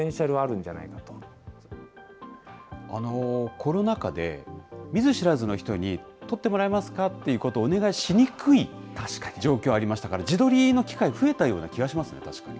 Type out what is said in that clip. コロナ禍で、見ず知らずの人に撮ってもらえますかっていうことをお願いしにくい状況ありましたから、自撮りの機械、増えたような気がしますね、確かに。